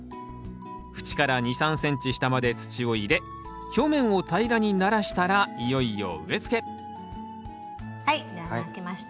縁から２３ｃｍ下まで土を入れ表面を平らにならしたらいよいよ植え付けはい穴あけました。